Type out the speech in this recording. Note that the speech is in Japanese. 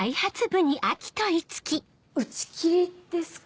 打ち切りですか？